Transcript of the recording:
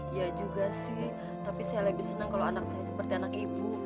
iya juga sih tapi saya lebih senang kalau anak saya seperti anak ibu